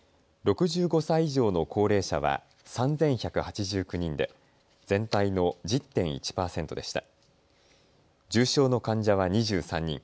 ６５歳以上の高齢者は３１８９人で全体の１０．１％でした。